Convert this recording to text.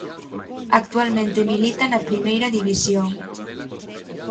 Actualmente milita na Primeira División.